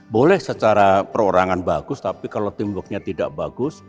boleh secara perorangan bagus tapi kalau teamworknya tidak bagus